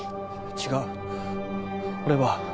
違う俺は。